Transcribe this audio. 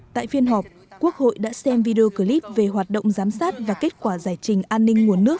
tại phiên họp quốc hội đã xem video clip về hoạt động giám sát và kết quả giải trình an ninh nguồn nước